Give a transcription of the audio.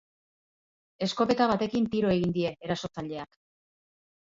Eskopeta batekin tiro egin die erasotzaileak.